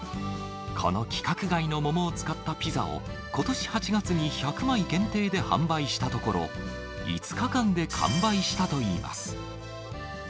この規格外の桃を使ったピザを、ことし８月に１００枚限定で販売したところ、５日間で完売したといいます。